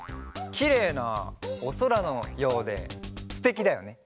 きれいなおそらのようですてきだよね。